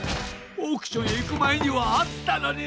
オークションへいくまえにはあったのに！